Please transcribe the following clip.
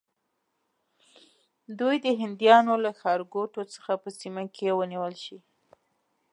دوی دې د هندیانو له ښارګوټو څخه په سیمه کې ونیول شي.